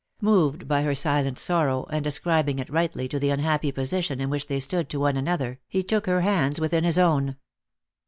Moved by her silent sorrow, and ascribing it rightly to the unhappy position in which they stood to one another, he took her hands within his own.